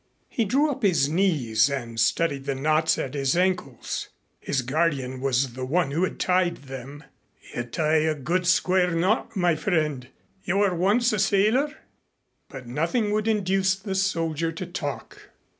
He drew up his knees and studied the knots at his ankles. His guardian was the one who had tied them. "You tie a good square knot, my friend. You were once a sailor?" But nothing would induce the soldier to talk.